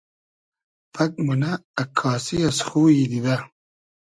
پئگ مونۂ اککاسی از خویی دیدۂ